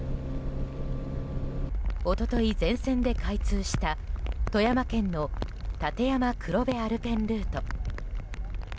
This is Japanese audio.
おととい、全線で開通した富山県の立山黒部アルペンルート。